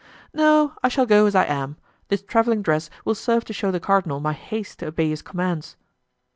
"No, I shall go as I am. This traveling dress will serve to show the cardinal my haste to obey his commands."